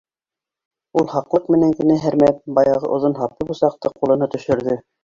Ул һаҡлыҡ менән генә һәрмәп баяғы оҙон һаплы бысаҡты ҡулына төшөрҙө